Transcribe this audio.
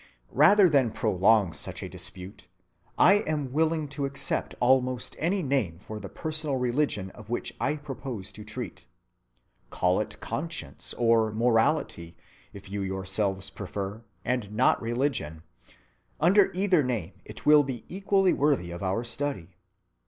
Rather than prolong such a dispute, I am willing to accept almost any name for the personal religion of which I propose to treat. Call it conscience or morality, if you yourselves prefer, and not religion—under either name it will be equally worthy of our study.